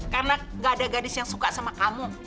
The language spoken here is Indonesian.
karena nggak ada gadis yang suka sama kamu